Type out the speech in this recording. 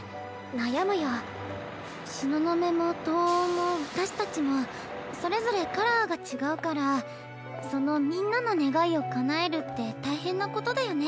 東雲も藤黄も私たちもそれぞれカラーが違うからそのみんなの願いを叶えるって大変なことだよね。